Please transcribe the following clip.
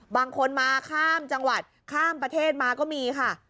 บางคนมาข้ามจังหวัดข้ามประเทศมาก็มีค่ะ